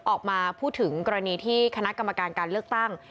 ออกมาพูดถึงกรณีที่คณะกรรมการการเลือกตั้ง